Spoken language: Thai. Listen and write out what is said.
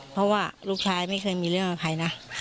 เพราะว่าลูกชายไม่เคยมีเรื่องกับใครนะ